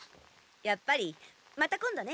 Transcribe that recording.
やっぱりまた今度ね。